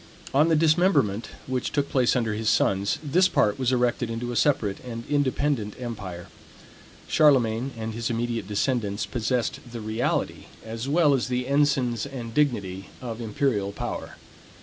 On the dismemberment, which took place under his sons, this part was erected into a separate and independent empire. Charlemagne and his immediate descendants possessed the reality, as well as the ensigns and dignity of imperial power.